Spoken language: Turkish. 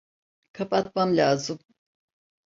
Kapatmam lazım.